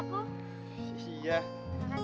makasih ya sat